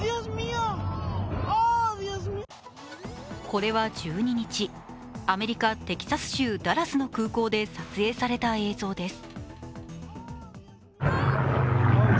これは１２日、アメリカ・テキサス州ダラスの空港で撮影された映像です。